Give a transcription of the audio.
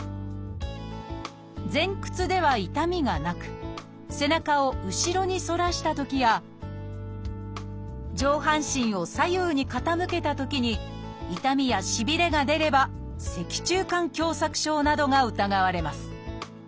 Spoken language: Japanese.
前屈では痛みがなく背中を後ろに反らしたときや上半身を左右に傾けたときに痛みやしびれが出れば脊柱管狭窄症などが疑われます。